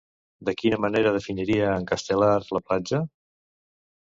De quina manera definiria, en Castelar, la platja?